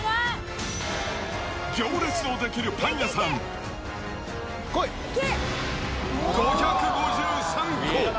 行列の出来るパン屋さん、５５３個。